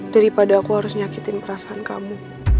daripada aku harus nyakitin perasaan kamu